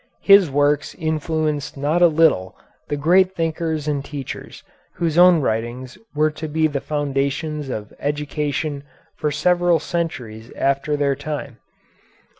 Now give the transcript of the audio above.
His works influenced not a little the great thinkers and teachers whose own writings were to be the foundations of education for several centuries after their time.